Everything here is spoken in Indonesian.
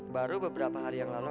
baru beberapa hari yang lalu